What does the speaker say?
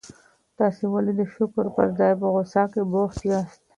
تاسي ولي د شکر پر ځای په غوسه کي بوخت یاست؟